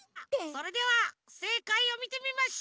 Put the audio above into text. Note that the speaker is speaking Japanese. それではせいかいをみてみましょう。